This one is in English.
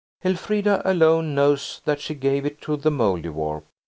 Elfrida alone knows that she gave it to the Mouldiwarp.